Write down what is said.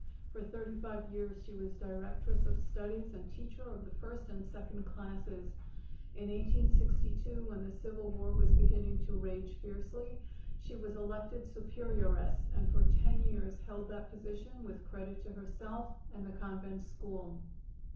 For thirty five years she was directress of studies and teacher of the first and second classes. In 1862, when the Civil War was beginning to rage fiercely, she was elected Superioress, and for ten years held that position with credit to herself and the convent school.